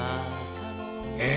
え？